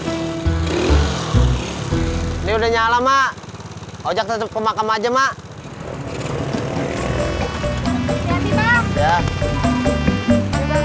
ini udah nyala mak ojek tetep kemakam aja mak